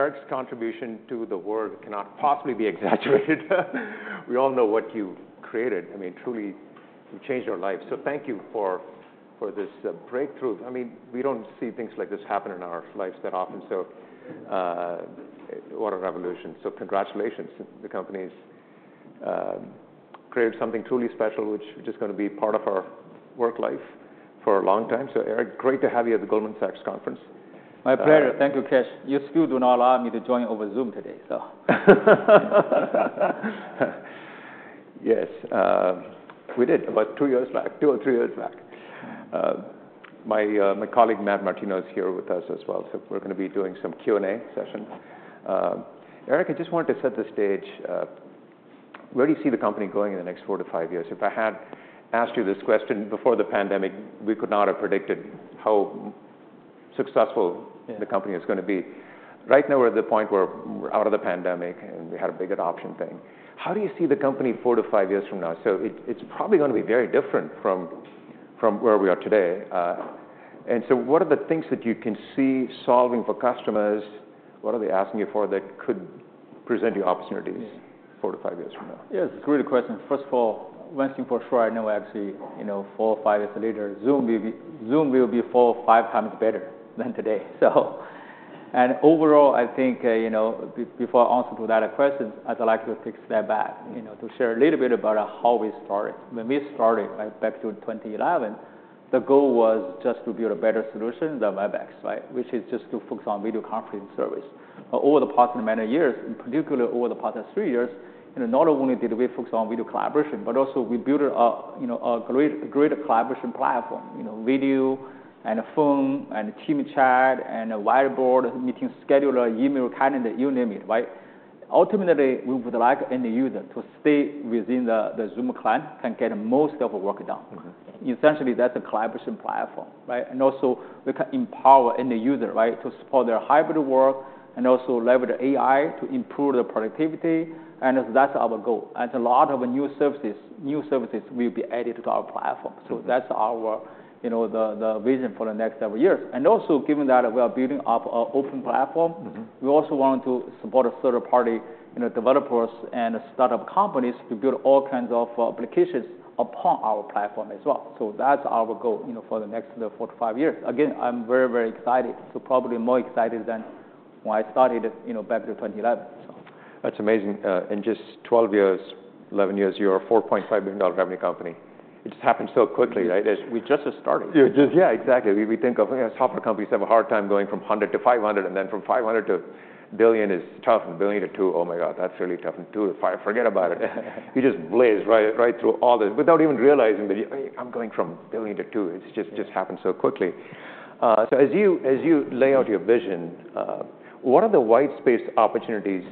Eric's contribution to the world cannot possibly be exaggerated. We all know what you've created. I mean, truly, you've changed our lives, so thank you for this breakthrough. I mean, we don't see things like this happen in our lives that often, so what a revolution. So congratulations. The company's created something truly special, which is gonna be part of our work life for a long time. So, Eric, great to have you at the Goldman Sachs conference. My pleasure. Thank you, Kash. Your security do not allow me to join over Zoom today, so... Yes, we did, about two years back, two or three years back. My colleague, Matt Martino, is here with us as well. So we're gonna be doing some Q&A session. Eric, I just wanted to set the stage. Where do you see the company going in the next four to five years? If I had asked you this question before the pandemic, we could not have predicted how successful the company is gonna be. Right now, we're at the point where we're out of the pandemic, and we had a big adoption thing. How do you see the company four to five years from now? So it, it's probably gonna be very different from where we are today. And so what are the things that you can see solving for customers? What are they asking you for that could present you opportunities? Yeah - 4-5 years from now? Yes, it's a great question. First of all, one thing for sure, I know actually, you know, four or five years later, Zoom will be, Zoom will be four or five times better than today. So. And overall, I think, you know, before I answer to that question, I'd like to take a step back, you know, to share a little bit about how we started. When we started, right, back to 2011, the goal was just to build a better solution than Webex, right? Which is just to focus on video conference service. But over the past many years, in particular over the past three years, you know, not only did we focus on video collaboration, but also we built a, you know, a great, great collaboration platform. You know, video, and phone, and Team Chat, and a whiteboard, meeting scheduler, email, calendar, you name it, right? Ultimately, we would like any user to stay within the Zoom client, can get most of work done. Mm-hmm. Essentially, that's a collaboration platform, right? And also, we can empower any user, right, to support their hybrid work, and also leverage AI to improve their productivity, and that's our goal. And a lot of new services, new services will be added to our platform. So that's our, you know, the, the vision for the next several years. And also, given that we are building up an open platform- Mm-hmm... we also want to support a third party, you know, developers and startup companies to build all kinds of applications upon our platform as well. So that's our goal, you know, for the next four to five years. Again, I'm very, very excited. So probably more excited than when I started, you know, back in 2011, so. That's amazing. In just 12 years, 11 years, you're a $4.5 billion revenue company. It just happened so quickly, right? We're just getting started. Yeah, exactly. We think of, you know, software companies have a hard time going from $100 milllion-$500 million, and then from $500 million-$1 billion is tough, and $1 million-$2 billion, oh, my God, that's really tough. And $2 billion-$5 billion, forget about it. You just blazed right through all this without even realizing that, "I'm going from $1 billion to $2 billion." It's just- Yeah... just happened so quickly. So as you, as you lay out your vision, what are the white space opportunities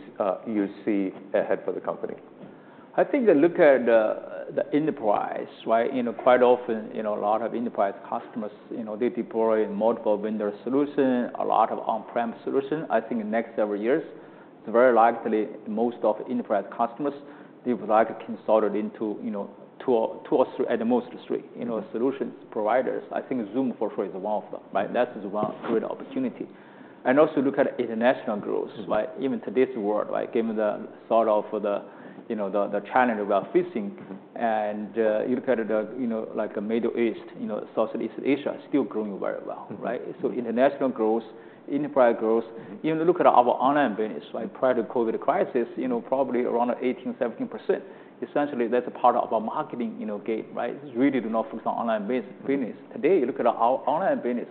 you see ahead for the company? I think that look at the enterprise, right? You know, quite often, you know, a lot of enterprise customers, you know, they deploy multiple vendor solution, a lot of on-prem solution. I think in next several years, very likely, most of enterprise customers, they would like to consolidate into, you know, two, two or three, at the most, three, you know, solution providers. I think Zoom, for sure, is one of them, right? That is one good opportunity. And also look at international growth- Mm-hmm... like, even to this world, like, given the sort of the, you know, the challenge we are facing- Mm-hmm... and you look at the, you know, like the Middle East, you know, Southeast Asia, still growing very well, right? Mm-hmm. So international growth, enterprise growth, even look at our online business. Like, prior to COVID crisis, you know, probably around 18%, 17%. Essentially, that's a part of our marketing, you know, game, right? It's really to now focus on online business. Today, you look at our online business,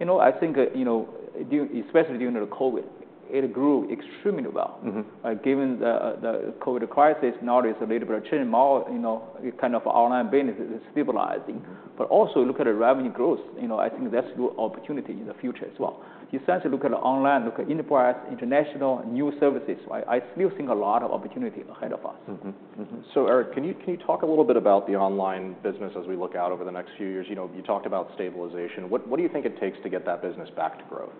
you know, I think, you know, during, especially during the COVID, it grew extremely well. Mm-hmm. Given the COVID crisis, now there's a little bit of change. Now, you know, kind of online business is stabilizing. But also, look at the revenue growth, you know. I think that's good opportunity in the future as well. You essentially look at online, look at enterprise, international, and new services. I still think a lot of opportunity ahead of us. Mm-hmm. Mm-hmm. So Eric, can you, can you talk a little bit about the online business as we look out over the next few years? You know, you talked about stabilization. What, what do you think it takes to get that business back to growth?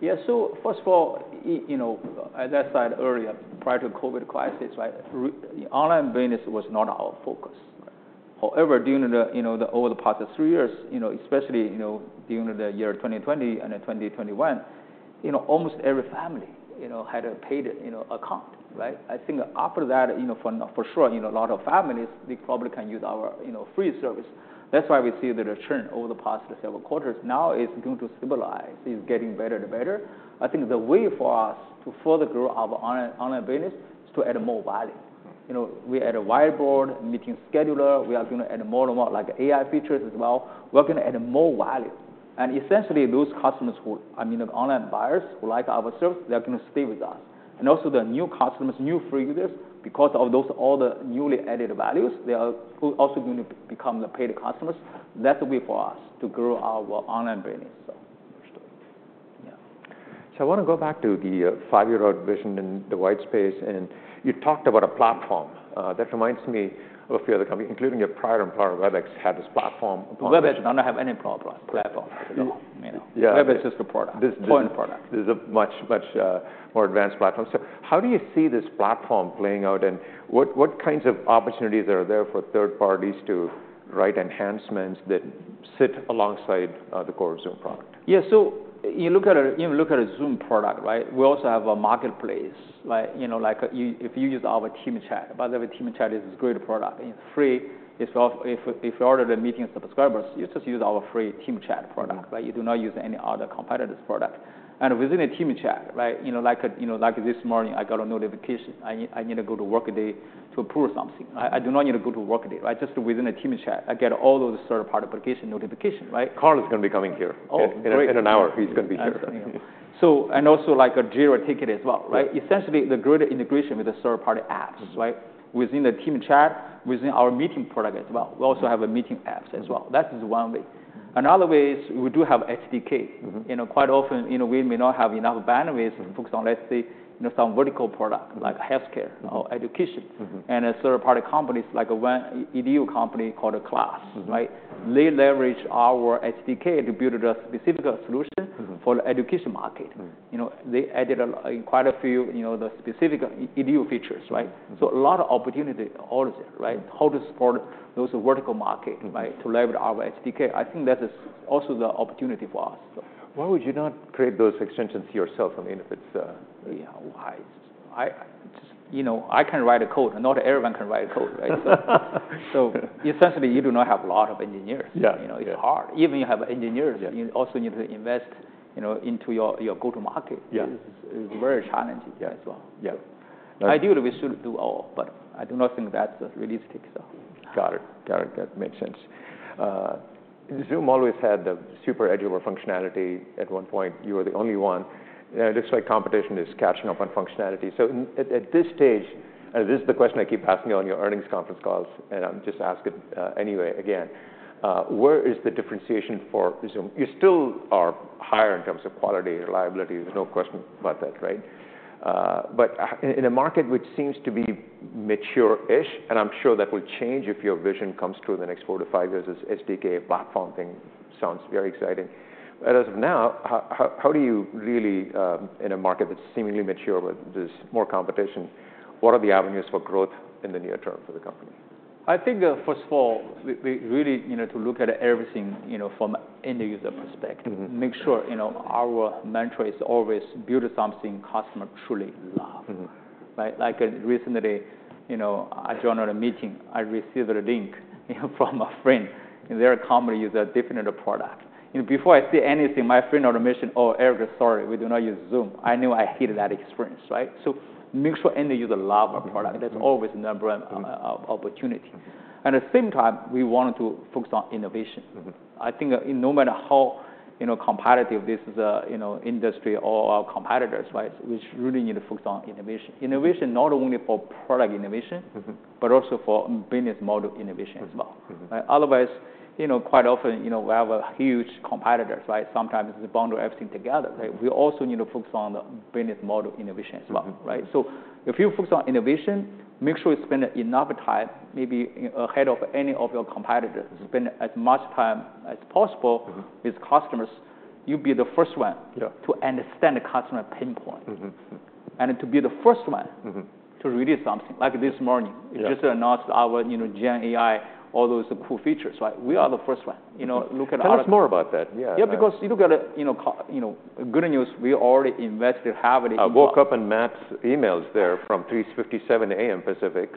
Yeah. So first of all, you know, as I said earlier, prior to COVID crisis, right, the online business was not our focus. Right. However, during, you know, over the past three years, you know, especially, you know, during the year 2020 and in 2021, you know, almost every family, you know, had a paid, you know, account, right? I think after that, you know, for sure, you know, a lot of families, they probably can use our, you know, free service. That's why we see the return over the past several quarters. Now, it's going to stabilize. It's getting better and better. I think the way for us to further grow our online business is to add more value. You know, we add a whiteboard, meeting scheduler, we are going to add more and more, like, AI features as well. We're going to add more value. And essentially, those customers who, I mean the online buyers, who like our service, they are gonna stay with us. Also the new customers, new free users, because of those, all the newly added values, they are also going to become the paid customers. That's the way for us to grow our online business, so-... So I want to go back to the five-year-old vision and the white space, and you talked about a platform. That reminds me of a few other company, including your prior employer, Webex, had this platform- Webex do not have any platform, you know? Yeah. Webex is a product, one product. This is a much, much more advanced platform. So how do you see this platform playing out, and what, what kinds of opportunities are there for third parties to write enhancements that sit alongside the core Zoom product? Yeah, so you look at a Zoom product, right? We also have a marketplace. Like, you know, like if you use our Team Chat, by the way, Team Chat is a great product, and it's free. If you are already a Meeting subscribers, you just use our free Team Chat product, right? You do not use any other competitor's product. And within a Team Chat, right, you know, like, you know, like this morning, I got a notification. I need to go to work today to approve something. I do not need to go to work today, right? Just within a Team Chat, I get all those third-party application notifications, right? Carl is gonna be coming here- Oh, great. In an hour, he's gonna be here. So, and also, like, a Jira ticket as well, right? Yeah. Essentially, the greater integration with the third-party apps, right? Within the Team Chat, within our meeting product as well. Mm-hmm. We also have a meeting apps as well. That is one way. Another way is we do have SDK. Mm-hmm. You know, quite often, you know, we may not have enough bandwidth to focus on, let's say, you know, some vertical product, like healthcare or education. Mm-hmm. Third-party companies, like, one edu company called Class, right? Mm-hmm. They leverage our SDK to build a specific solution- Mm-hmm... for the education market. Mm. You know, they added quite a few, you know, the specific EDU features, right? Mm-hmm. A lot of opportunity out there, right? Mm-hmm. How to support those vertical market- Mm-hmm... to leverage our SDK. I think that is also the opportunity for us. Why would you not create those extensions yourself? I mean, if it's- Yeah, why? I, you know, I can write a code, and not everyone can write a code, right? So, essentially, you do not have a lot of engineers. Yeah. You know, it's hard. Even you have engineers- Yeah... you also need to invest, you know, into your go-to-market. Yeah. It's very challenging as well. Yeah. Ideally, we should do all, but I do not think that's realistic, so. Got it. Got it. That makes sense. Zoom always had the super agile functionality. At one point, you were the only one, and it looks like competition is catching up on functionality. So at this stage, and this is the question I keep asking you on your earnings conference calls, and I'll just ask it, anyway, again, where is the differentiation for Zoom? You still are higher in terms of quality, reliability, there's no question about that, right? But in a market which seems to be mature-ish, and I'm sure that will change if your vision comes through in the next four to five years, this SDK platform thing sounds very exciting. As of now, how do you really in a market that's seemingly mature, where there's more competition, what are the avenues for growth in the near term for the company? I think, first of all, we really, you know, to look at everything, you know, from an end user perspective. Mm-hmm. Make sure, you know, our mantra is always build something customer truly love. Mm-hmm. Right? Like, recently, you know, I joined a meeting. I received a link from a friend, and their company use a different product. And before I see anything, my friend on a mission, "Oh, Eric, sorry, we do not use Zoom." I knew I hated that experience, right? So make sure end user love our product. Mm-hmm. There's always number of opportunity. At the same time, we want to focus on innovation. Mm-hmm. I think no matter how, you know, competitive this is, you know, industry or our competitors, right, we really need to focus on innovation. Innovation not only for product innovation- Mm-hmm... but also for business model innovation as well. Mm-hmm. Mm-hmm. Otherwise, you know, quite often, you know, we have a huge competitors, right? Sometimes they bundle everything together. Mm-hmm. We also need to focus on the business model innovation as well. Mm-hmm. Right? So if you focus on innovation, make sure you spend enough time, maybe ahead of any of your competitors. Mm-hmm. Spend as much time as possible- Mm-hmm... with customers. You'll be the first one- Yeah... to understand the customer pain point. Mm-hmm. And to be the first one- Mm-hmm... to release something. Like this morning- Yeah... we just announced our, you know, GenAI, all those cool features, right? We are the first one, you know, look at our- Tell us more about that. Yeah. Yeah, because you look at, you know, good news, we already invested, have the AI- I woke up, and Matt's email is there from 3:57 A.M. Pacific.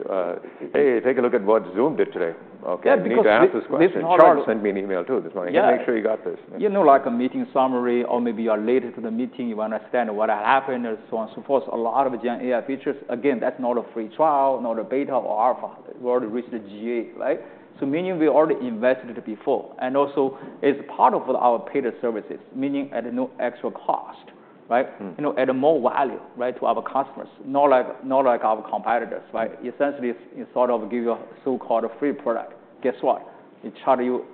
"Hey, take a look at what Zoom did today." Okay- Yeah, because- You need to answer this question. This is not all- Charles sent me an email, too, this morning- Yeah ..."Make sure you got this. You know, like a meeting summary, or maybe you are late to the meeting, you want to understand what happened, and so on and so forth. A lot of GenAI features, again, that's not a free trial, not a beta or alpha. We already reached the GA, right? So meaning we already invested before, and also it's part of our paid services, meaning at no extra cost, right? Mm. You know, add more value, right, to our customers. Not like, not like our competitors, right? Mm-hmm. Essentially, it sort of give you a so-called free product. Guess what? We charge you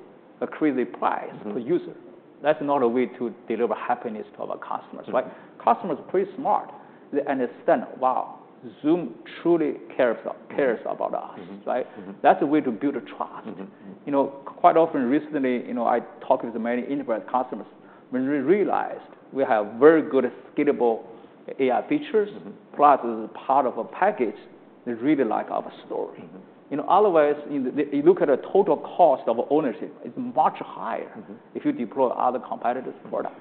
a crazy price per user. Mm-hmm. That's not a way to deliver happiness to our customers, right? Mm-hmm. Customers are pretty smart. They understand, "Wow, Zoom truly cares, cares about us," right? Mm-hmm. Mm-hmm. That's a way to build trust. Mm-hmm. You know, quite often, recently, you know, I talked with many enterprise customers. When we realized we have very good scalable AI features- Mm-hmm... plus, as part of a package, they really like our story. Mm-hmm. You know, otherwise, you look at the total cost of ownership, it's much higher- Mm-hmm... if you deploy other competitors' product.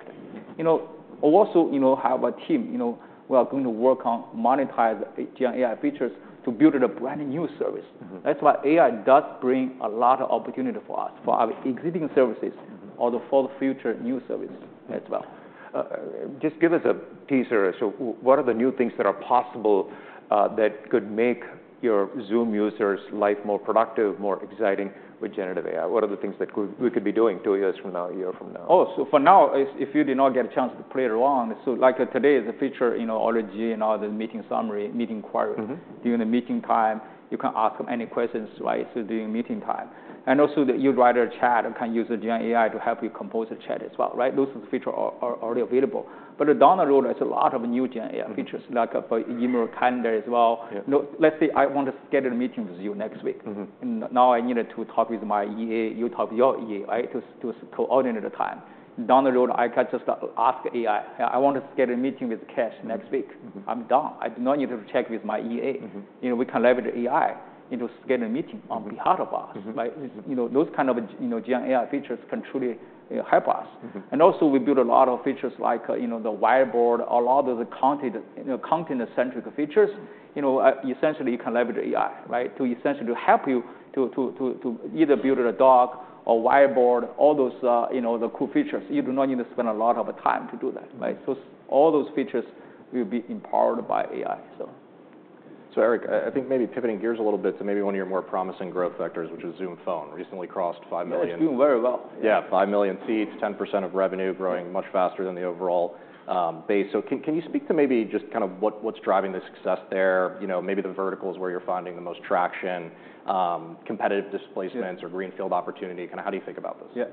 You know, also, you know, have a team, you know, we are going to work on monetize the GenAI features to build a brand-new service. Mm-hmm. That's why AI does bring a lot of opportunity for us, for our existing services or for the future new service as well. Just give us a teaser. So what are the new things that are possible that could make your Zoom users' life more productive, more exciting with generative AI? What are the things we could be doing two years from now, a year from now? Oh, so for now, if you did not get a chance to play around, so, like, today, the feature, you know, all the G and all the meeting summary, meeting query- Mm-hmm... during the meeting time, you can ask them any questions, right, so during meeting time. And also, then you write a chat and can use the GenAI to help you compose a chat as well, right? Those are the features are already available. But down the road, there's a lot of new GenAI features, like for email, calendar as well. Yeah. No, let's say I want to schedule a meeting with you next week. Mm-hmm. Now, I needed to talk with my EA. You talk to your EA, right? To coordinate a time. Down the road, I can just ask AI, I want to schedule a meeting with Kash next week. Mm-hmm. I'm done. I do not need to check with my EA. Mm-hmm. You know, we can leverage AI, you know, to schedule a meeting on behalf of us. Mm-hmm. Like, you know, those kind of, you know, GenAI features can truly, you know, help us. Mm-hmm. And also, we build a lot of features like, you know, the whiteboard, a lot of the content, you know, content-centric features. You know, essentially, you can leverage AI, right? To essentially help you to either build a doc or whiteboard, all those, you know, the cool features. You do not need to spend a lot of time to do that, right? Mm-hmm. All those features will be empowered by AI, so. So Eric, I think maybe pivoting gears a little bit to maybe one of your more promising growth vectors, which is Zoom Phone. Recently crossed 5 million. Yeah, it's doing very well. Yeah, 5 million seats, 10% of revenue, growing much faster than the overall base. So can you speak to maybe just kind of what's driving the success there? You know, maybe the verticals where you're finding the most traction, competitive displacements- Yeah... or greenfield opportunity. Kinda how do you think about this? Yeah.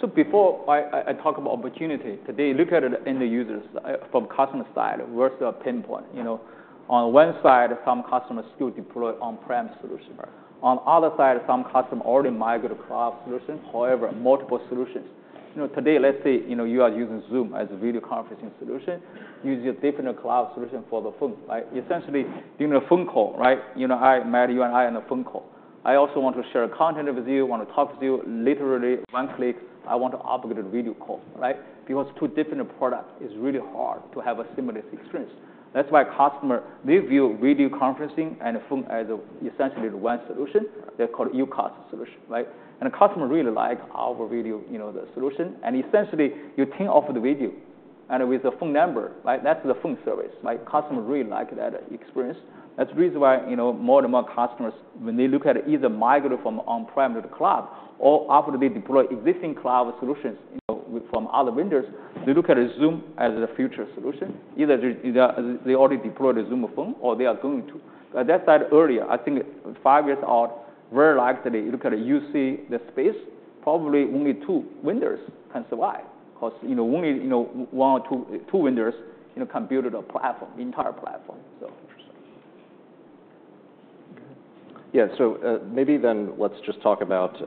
So before I talk about opportunity, today, look at it from the user's side, from customer side, where's the pinpoint? You know, on one side, some customers still deploy on-premise solution. Right. On the other side, some customer already migrate to cloud solutions, however, multiple solutions. You know, today, let's say, you know, you are using Zoom as a video conferencing solution, use a different cloud solution for the phone, right? Essentially, doing a phone call, right, you know, I, Mary, you and I on a phone call. I also want to share content with you, want to talk to you, literally one click, I want to operate a video call, right? Because two different product is really hard to have a seamless experience. That's why customer, they view video conferencing and phone as, essentially, one solution. They call it UCaaS solution, right? And the customer really like our video, you know, the solution, and essentially, you turn off the video and with the phone number, right? That's the phone service. My customer really like that experience. That's the reason why, you know, more and more customers, when they look at either migrate from on-prem to the cloud or after they deploy existing cloud solutions, you know, with from other vendors, they look at Zoom as a future solution. Either they, either they already deployed a Zoom Phone or they are going to. But that said earlier, I think five years out, very likely, you look at it, you see the space, probably only two vendors can survive. 'Cause, you know, only, you know, one or two, two vendors can build a platform, entire platform, so. Interesting. Yeah, so, maybe then let's just talk about,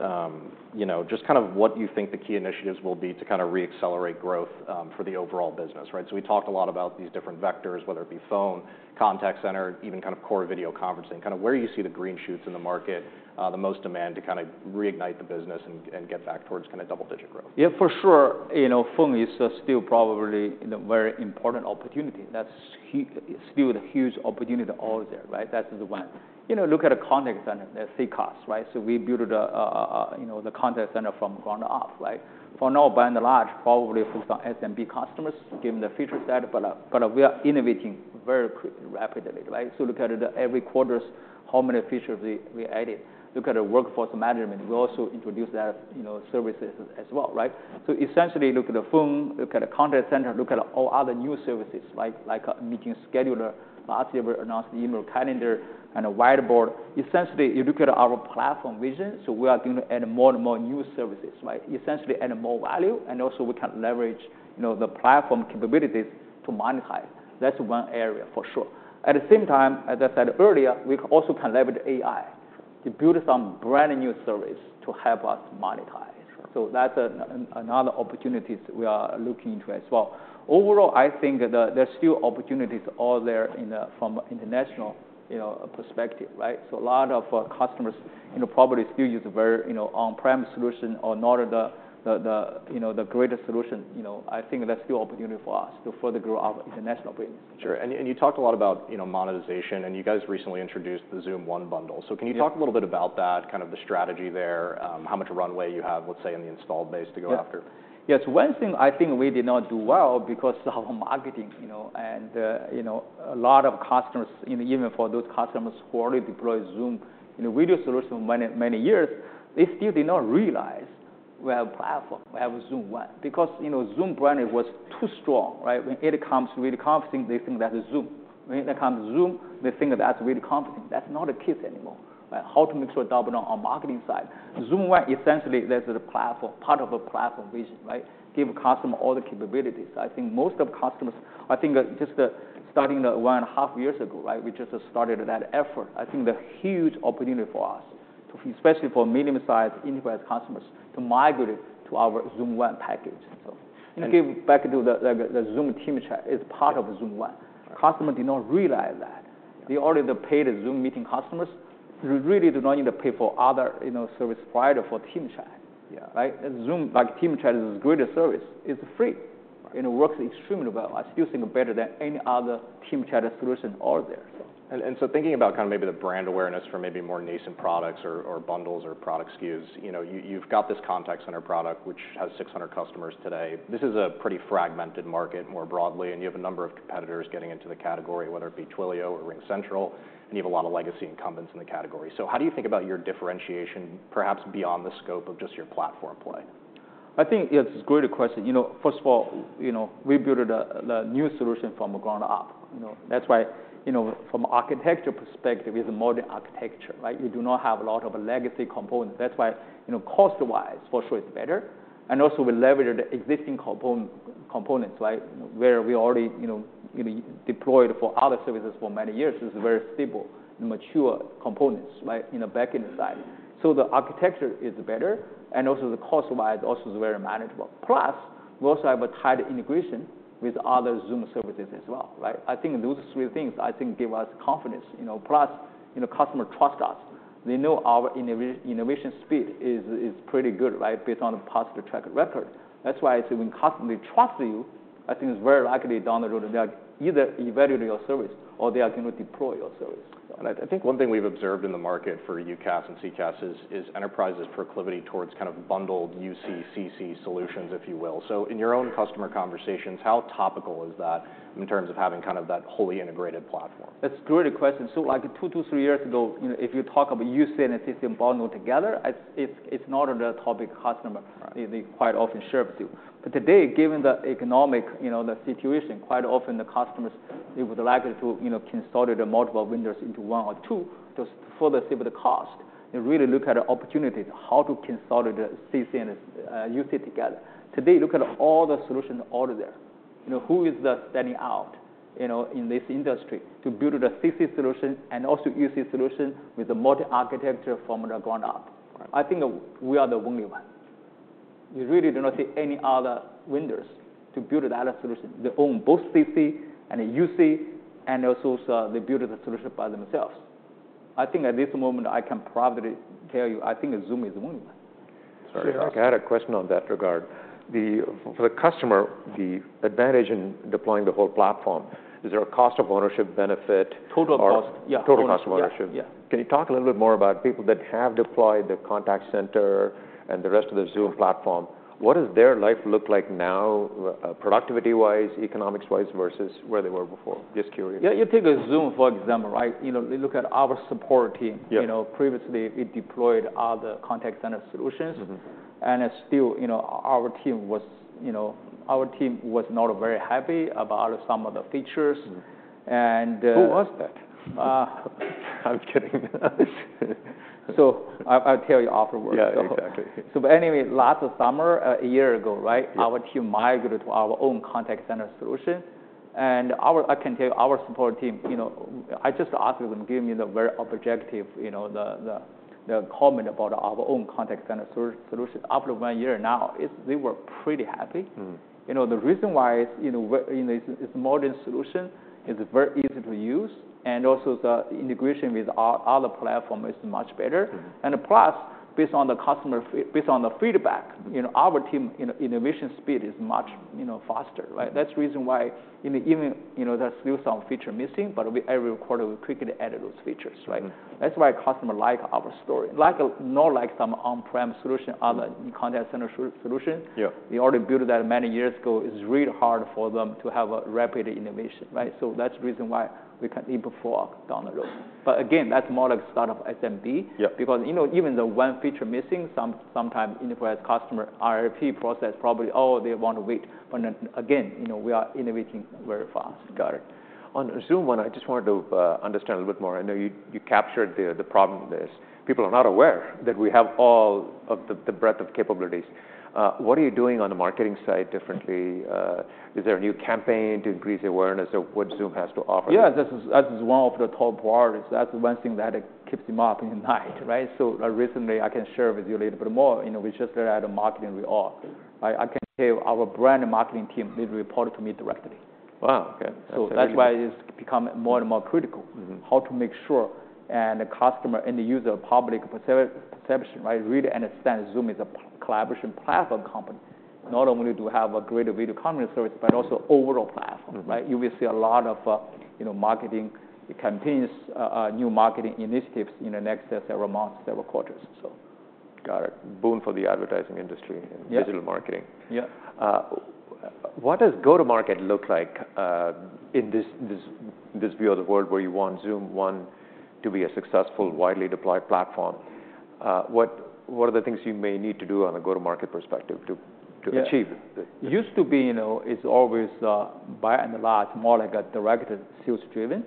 you know, just kind of what you think the key initiatives will be to kind of re-accelerate growth, for the overall business, right? So we talked a lot about these different vectors, whether it be phone, contact center, even kind of core video conferencing, kind of where you see the green shoots in the market, the most demand to kind of reignite the business and, and get back towards kind of double-digit growth. Yeah, for sure, you know, phone is still probably the very important opportunity. That's huge, still a huge opportunity all there, right? That is the one. You know, look at the contact center, the CCaaS, right? So we built the contact center from ground up, right? For now, by and large, probably focus on SMB customers, given the feature set, but we are innovating very quickly, rapidly, right? So look at it every quarter, how many features we added. Look at the workforce management. We also introduce that, you know, services as well, right? So essentially, look at the phone, look at the contact center, look at all other new services, like a meeting scheduler. Last year, we announced the email, calendar, and a whiteboard. Essentially, you look at our platform vision, so we are going to add more and more new services, right? Essentially, add more value, and also we can leverage, you know, the platform capabilities to monetize. That's one area for sure. At the same time, as I said earlier, we also collaborate with AI to build some brand-new service to help us monetize. Sure. So that's another opportunities we are looking into as well. Overall, I think there's still opportunities all there in the from international, you know, perspective, right? So a lot of customers, you know, probably still use a very, you know, on-premise solution or not at the, you know, the greatest solution. You know, I think that's still opportunity for us to further grow our international business. Sure. And, and you talked a lot about, you know, monetization, and you guys recently introduced the Zoom One bundle. Yeah. So can you talk a little bit about that, kind of the strategy there, how much runway you have, let's say, in the installed base to go after? Yeah. Yes, one thing I think we did not do well, because of our marketing, you know, and, you know, a lot of customers, even for those customers who already deployed Zoom, you know, video solution many, many years, they still did not realize we have platform, we have Zoom One. Because, you know, Zoom brand was too strong, right? When it comes to video conferencing, they think that's Zoom. When it comes Zoom, they think that's video conferencing. That's not the case anymore. Right, how to make sure double down on marketing side. Zoom One, essentially, that's a platform, part of a platform vision, right? Give customer all the capabilities. I think most of customers, I think just, starting one and a half years ago, right, we just started that effort. I think the huge opportunity for us, especially for medium-sized enterprise customers, to migrate to our Zoom One package. So- Okay... back to the Zoom Team Chat is part of Zoom One. Customers do not realize that. They, already paid Zoom Meeting customers, really do not need to pay for other, you know, service providers for Team Chat. Yeah. Right? Zoom, like, Team Chat is a great service. It's free... and it works extremely well. I still think better than any other Team Chat solution out there. So thinking about kind of maybe the brand awareness for maybe more nascent products or bundles or product SKUs, you know, you've got this contact center product, which has 600 customers today. This is a pretty fragmented market, more broadly, and you have a number of competitors getting into the category, whether it be Twilio or RingCentral, and you have a lot of legacy incumbents in the category. So how do you think about your differentiation, perhaps beyond the scope of just your platform play? I think it's a great question. You know, first of all, you know, we built the new solution from the ground up, you know. That's why, you know, from architecture perspective, it's a modern architecture, right? We do not have a lot of legacy components. That's why, you know, cost-wise, for sure, it's better, and also, we leverage the existing component, components, right? Where we already, you know, maybe deployed for other services for many years. This is very stable and mature components, right, in the back-end side. So the architecture is better, and also the cost-wise also is very manageable. Plus, we also have a tight integration with other Zoom services as well, right? I think those three things, I think, give us confidence. You know, plus, you know, customer trust us. They know our innovation speed is pretty good, right, based on a positive track record. That's why I say when customer trust you, I think it's very likely down the road, they are either evaluating your service or they are going to deploy your service. I think one thing we've observed in the market for UCaaS and CCaaS is enterprises' proclivity towards kind of bundled UCaaS solutions, if you will. In your own customer conversations, how topical is that in terms of having kind of that wholly integrated platform? That's a great question. So, like, two to three years ago, you know, if you talk about UC and CC bundled together, it's not a topic customers they quite often share with you. But today, given the economic, you know, the situation, quite often the customers, they would like to, you know, consolidate multiple vendors into one or two to further save the cost and really look at the opportunity how to consolidate the CC and UC together. Today, look at all the solutions out there. You know, who is the standing out, you know, in this industry to build a CC solution and also UC solution with a multi-architecture from the ground up? Right. I think we are the only one. You really do not see any other vendors to build that solution. They own both CC and UC, and also, they built the solution by themselves. I think at this moment, I can proudly tell you, I think Zoom is the only one. Sorry. I had a question on that regard. For the customer, the advantage in deploying the whole platform, is there a cost of ownership benefit- Total cost, yeah. Total cost of ownership. Yeah, yeah. Can you talk a little bit more about people that have deployed the contact center and the rest of the Zoom platform? What does their life look like now, productivity-wise, economics-wise, versus where they were before? Just curious. Yeah, you take Zoom, for example, right? You know, you look at our support team- Yeah... you know, previously, we deployed other contact center solutions. Mm-hmm. And still, you know, our team was not very happy about some of the features- Mm. And, uh- Who was that? I'm kidding. So, I'll tell you afterwards. Yeah, exactly. But anyway, last summer, a year ago, right? Yeah... our team migrated to our own contact center solution, and our I can tell you, our support team, you know, I just asked them, "Give me the very objective, you know, the comment about our own contact center solution." After one year now, it's they were pretty happy. Mm. You know, the reason why, you know, this modern solution is very easy to use, and also the integration with other platform is much better. Mm-hmm. Plus, based on the feedback, you know, our team innovation speed is much, you know, faster, right? Yeah. That's the reason why, in the event, you know, there's still some feature missing, but we, every quarter, we quickly add those features, right? Mm-hmm. That's why customer like our story. Like, not like some on-prem solution, other contact center solutions. Yeah. We already built that many years ago. It's really hard for them to have a rapid innovation, right? So that's the reason why we can even before, down the road. But again, that's more like start of SMB- Yeah... because, you know, even the one feature missing, sometimes enterprise customer RFP process, probably, oh, they want to wait. But then again, you know, we are innovating very fast. Got it. On Zoom One, I just wanted to understand a little bit more. I know you, you captured the, the problem with this. People are not aware that we have all of the, the breadth of capabilities. What are you doing on the marketing side differently? Is there a new campaign to increase awareness of what Zoom has to offer? Yeah, that is one of the top priorities. That's one thing that keeps me up in the night, right? So recently, I can share with you a little bit more. You know, we just added marketing reorg, right? I can tell you, our brand marketing team, they report to me directly. Wow, okay. So that's why it's become more and more critical- Mm-hmm... how to make sure, and the customer and the user public perception, right, really understand Zoom is a collaboration platform company. Mm. Not only do we have a great video conference service, but also overall platform. Mm-hmm. Right? You will see a lot of, you know, marketing campaigns, new marketing initiatives in the next several months, several quarters, so. Got it. Zoom for the advertising industry- Yeah... and digital marketing. Yeah. What does go-to-market look like in this view of the world, where you want Zoom One to be a successful, widely deployed platform? What are the things you may need to do on a go-to-market perspective to achieve? Yeah. Used to be, you know, it's always, by and large, more like a directed sales-driven.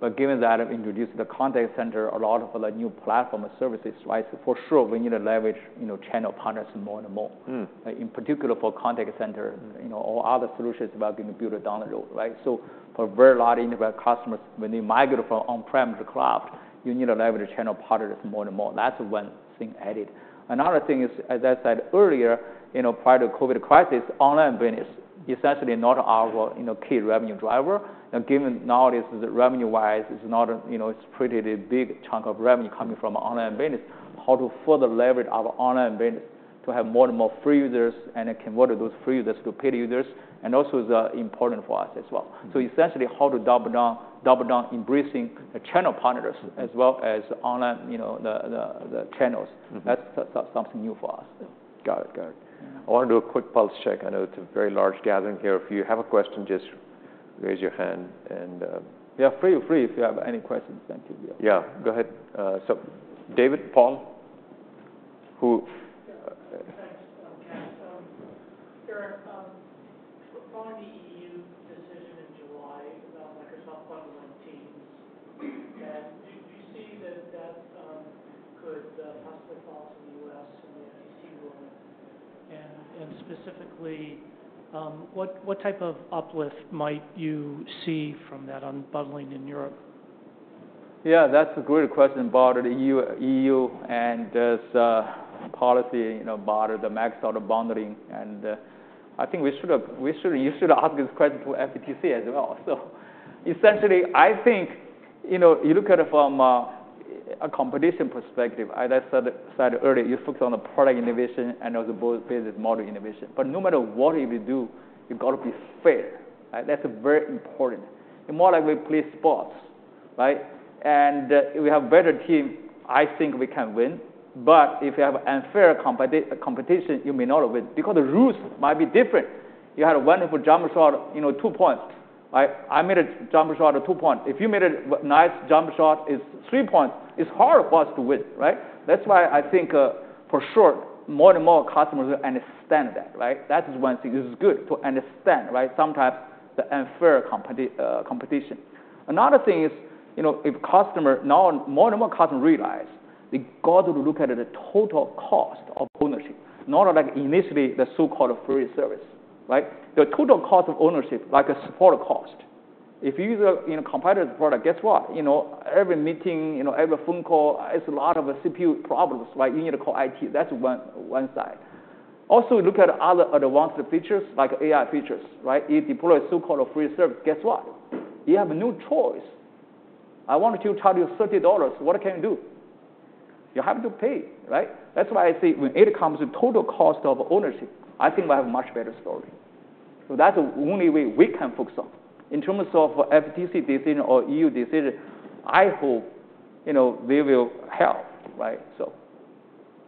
But given that I've introduced the contact center, a lot of the new platform services, right? For sure, we need to leverage, you know, channel partners more and more. Mm. In particular, for contact center, you know, or other solutions we are going to build down the road, right? So for a very large enterprise customers, when you migrate from on-prem to cloud, you need to leverage channel partners more and more. That's one thing added. Another thing is, as I said earlier, you know, prior to COVID crisis, online business, essentially not our, you know, key revenue driver. And given nowadays, the revenue-wise, it's not a, you know, it's pretty big chunk of revenue coming from online business, how to further leverage our online business?... to have more and more free users, and it can convert those free users to paid users, and also is important for us as well. So essentially, how to double down, double down, embracing the channel partners- Mm-hmm. as well as online, you know, the channels. Mm-hmm. That's, that's something new for us. Got it. Got it. Yeah. I wanna do a quick pulse check. I know it's a very large gathering here. If you have a question, just raise your hand, and Yeah, feel free if you have any questions. Thank you. Yeah. Yeah. Go ahead. So David, Paul? Who- Yeah, thanks, yeah. So Eric, following the EU decision in July about Microsoft bundling Teams, do you see that could possibly fall to the U.S. and the FTC ruling? And specifically, what type of uplift might you see from that unbundling in Europe? Yeah, that's a great question about the EU, EU, and this policy, you know, about the Microsoft bundling. And I think we should've, we should—you should ask this question to FTC as well. So essentially, I think, you know, you look at it from a competition perspective. As I said earlier, you focus on the product innovation and also both business model innovation. But no matter what you do, you've got to be fair, right? That's very important. The more like we play sports, right? And if we have better team, I think we can win, but if you have unfair competition, you may not win, because the rules might be different. You had a wonderful jump shot, you know, two points, right? I made a jump shot of two points. If you made a nice jump shot, it's three points, it's hard for us to win, right? That's why I think, for sure, more and more customers understand that, right? That is one thing. It's good to understand, right, sometimes the unfair competition. Another thing is, you know, if customer, now, more and more customers realize they got to look at the total cost of ownership, not like initially, the so-called free service, right? The total cost of ownership, like a support cost. If you use a, you know, competitor product, guess what? You know, every meeting, you know, every phone call, it's a lot of CPU problems, right? You need to call IT. That's one, one side. Also, look at other advanced features, like AI features, right? If you deploy a so-called free service, guess what? You have no choice. I want to charge you $30, what can you do? You have to pay, right? That's why I say when it comes to total cost of ownership, I think we have a much better story. So that's the only way we can focus on. In terms of FTC decision or EU decision, I hope, you know, they will help, right? So...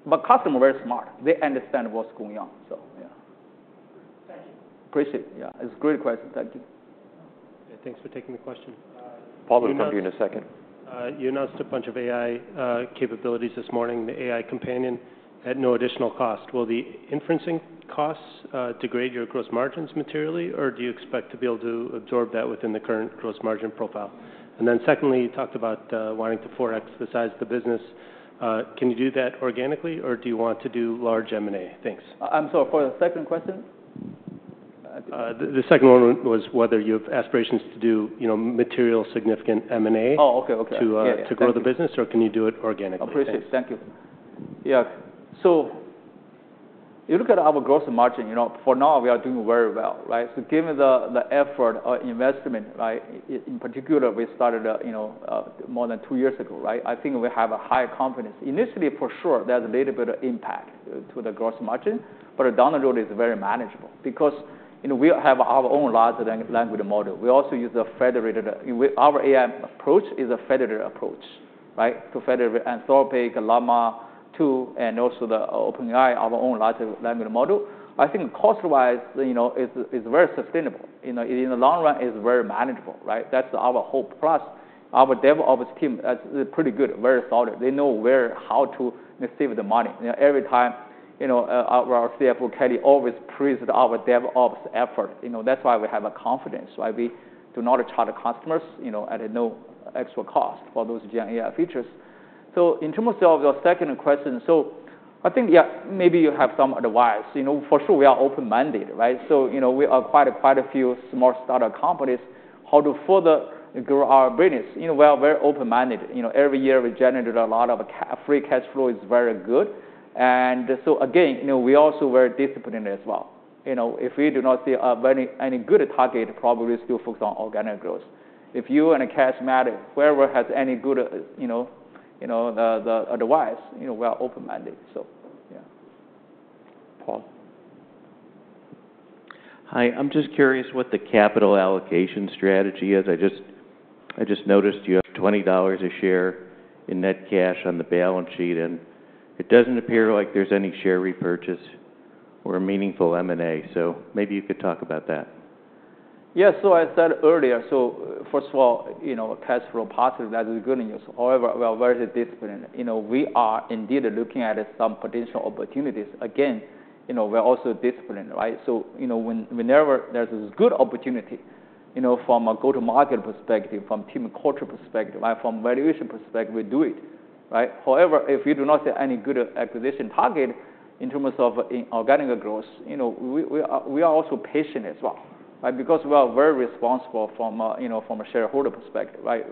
But customer very smart. They understand what's going on. So, yeah. Thank you. Appreciate it. Yeah, it's a great question. Thank you. Thanks for taking the question. Paul, we'll come to you in a second. You announced a bunch of AI capabilities this morning, the AI Companion at no additional cost. Will the inferencing costs degrade your gross margins materially, or do you expect to be able to absorb that within the current gross margin profile? And then secondly, you talked about wanting to 4x the size of the business. Can you do that organically or do you want to do large M&A? Thanks. I'm sorry, for the second question? The second one was whether you have aspirations to do, you know, material significant M&A- Oh, okay. Okay... to grow the business, or can you do it organically? Appreciate it. Thank you. Yeah. So you look at our gross margin, you know, for now, we are doing very well, right? So given the effort or investment, right, in particular, we started, you know, more than two years ago, right? I think we have a high confidence. Initially, for sure, there's a little bit of impact to the gross margin, but down the road, it's very manageable because, you know, we have our own large language model. We also use a federated... With our AI approach is a federated approach, right? So federated, Anthropic, Llama 2, and also the OpenAI, our own large language model. I think cost-wise, you know, it's, it's very sustainable. You know, in the long run, it's very manageable, right? That's our hope. Plus, our DevOps team is pretty good, very solid. They know where, how to save the money. You know, every time, you know, our CFO, Kelly, always praises our dev ops effort. You know, that's why we have a confidence, right? We do not charge the customers, you know, at no extra cost for those GenAI features. So in terms of the second question, so I think, yeah, maybe you have some advice. You know, for sure, we are open-minded, right? So, you know, we are quite, quite a few smart startup companies how to further grow our business. You know, we are very open-minded. You know, every year, we generated a lot of free cash flow, is very good. And so again, you know, we also very disciplined as well. You know, if we do not see any good target, probably still focus on organic growth. If you and a cash matter, whoever has any good, you know, you know, the advice, you know, we are open-minded. So, yeah. Paul. Hi. I'm just curious what the capital allocation strategy is. I just, I just noticed you have $20 a share in net cash on the balance sheet, and it doesn't appear like there's any share repurchase or meaningful M&A. Maybe you could talk about that. Yeah. So I said earlier, so first of all, you know, cash flow positive, that is good news. However, we are very disciplined. You know, we are indeed looking at some potential opportunities. Again, you know, we're also disciplined, right? So, you know, when, whenever there's a good opportunity, you know, from a go-to-market perspective, from team culture perspective, right, from valuation perspective, we do it, right? However, if we do not see any good acquisition target in terms of inorganic growth, you know, we are also patient as well, right? Because we are very responsible from a, you know, from a shareholder perspective, right?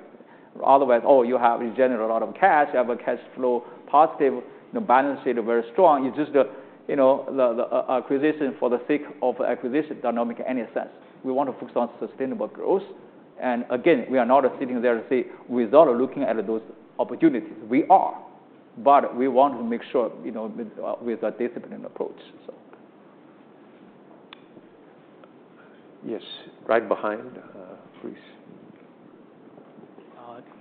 Otherwise, oh, you have in general, a lot of cash, you have a cash flow positive, the balance sheet is very strong. It's just the, you know, the acquisition for the sake of acquisition does not make any sense. We want to focus on sustainable growth... and again, we are not sitting there and say, without looking at those opportunities. We are, but we want to make sure, you know, with, with a disciplined approach, so. Yes, right behind, please.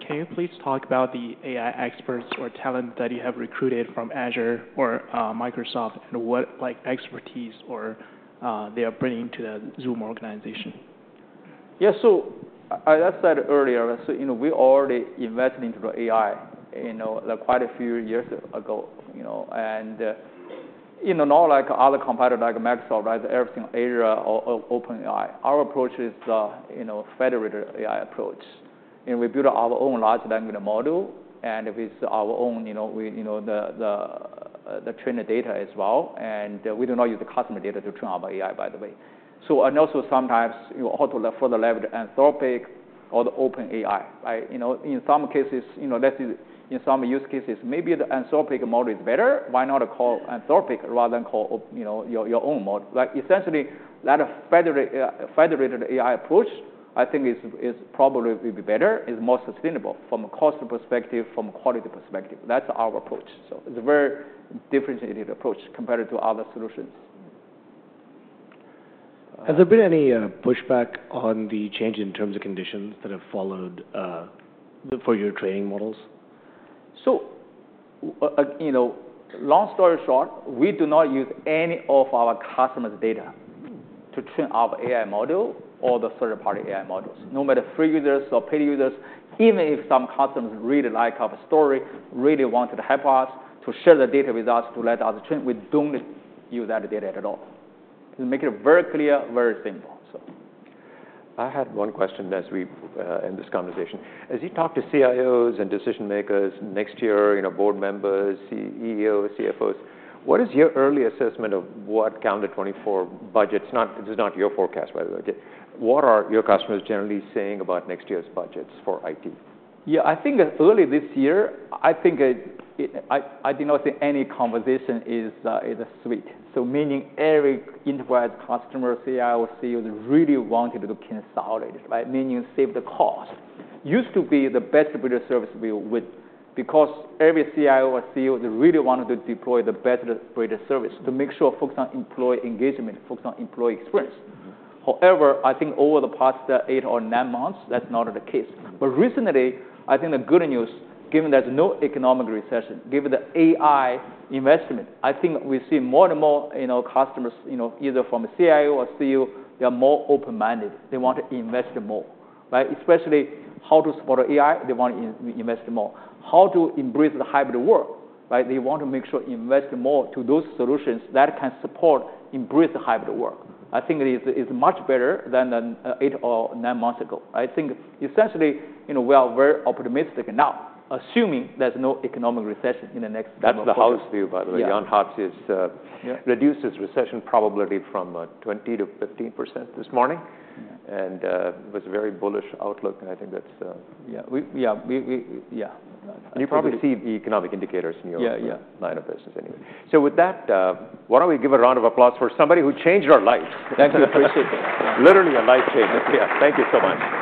Can you please talk about the AI experts or talent that you have recruited from Azure or Microsoft, and what, like, expertise or they are bringing to the Zoom organization? Yeah, so, as I said earlier, so, you know, we already invested into the AI, you know, quite a few years ago, you know? And you know, not like other competitor, like Microsoft, right, everything Azure or OpenAI. Our approach is you know, federated AI approach, and we build our own large language model, and with our own, you know, we you know, the training data as well, and we do not use the customer data to train our AI, by the way. So and also sometimes, you know, how to for the level Anthropic or the OpenAI, right? You know, in some cases, you know, that is in some use cases, maybe the Anthropic model is better. Why not call Anthropic rather than call you know, your your own model? Like, essentially, that federated AI approach, I think is probably will be better, is more sustainable from a cost perspective, from a quality perspective. That's our approach. So it's a very differentiated approach compared to other solutions. Has there been any pushback on the change in terms of conditions that have followed for your training models? So, you know, long story short, we do not use any of our customers' data to train our AI model or the third-party AI models, no matter free users or paid users. Even if some customers really like our story, really wanted to help us, to share the data with us, to let us train, we don't use that data at all. We make it very clear, very simple, so. I have one question as we end this conversation. As you talk to CIOs and decision-makers next year, you know, board members, CEOs, CFOs, what is your early assessment of what calendar 2024 budget's not—this is not your forecast, by the way, okay? What are your customers generally saying about next year's budgets for IT? Yeah, I think early this year, I think, I did not see any conversation is sweet. So meaning every enterprise customer, CIO, CEO, really wanted to consolidate, right? Meaning save the cost. Used to be the best service we would because every CIO or CEO, they really wanted to deploy the best greater service to make sure focus on employee engagement, focus on employee experience. Mm-hmm. However, I think over the past eight or nine months, that's not the case. But recently, I think the good news, given there's no economic recession, given the AI investment, I think we see more and more, you know, customers, you know, either from a CIO or CEO, they are more open-minded. They want to invest more, right? Especially how to support AI, they want to invest more. How to embrace the hybrid work, right? They want to make sure invest more to those solutions that can support, embrace the hybrid work. I think it is, it's much better than eight or nine months ago. I think essentially, you know, we are very optimistic now, assuming there's no economic recession in the next couple of years. That's a house view, by the way. Yeah. Jan Hatzius, Yeah... reduced his recession probability from 20%-15% this morning, and was a very bullish outlook, and I think that's- Yeah. We... Yeah. You probably see the economic indicators in your- Yeah, yeah... line of business anyway. So with that, why don't we give a round of applause for somebody who changed our lives? Thank you. Appreciate it. Literally a life changer. Yeah, thank you so much.